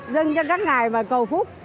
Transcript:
dân cho các ngài và cầu phúc